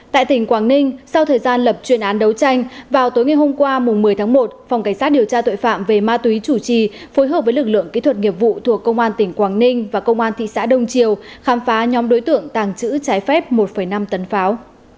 tại tỉnh quảng ninh sau thời gian lập chuyên án đấu tranh vào tối ngày hôm qua một mươi tháng một phòng cảnh sát điều tra tội phạm về ma túy chủ trì phối hợp với lực lượng kỹ thuật nghiệp vụ thuộc công an tỉnh quảng ninh và công an thị xã đông triều khám phá nhóm đối tượng tàng trữ trái phép một năm tấn pháo